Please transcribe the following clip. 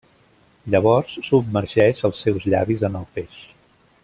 Llavors submergeix els seus llavis en el peix.